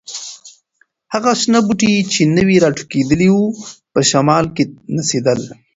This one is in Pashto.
هغه شنه بوټي چې نوي راټوکېدلي وو، په شمال کې نڅېدل.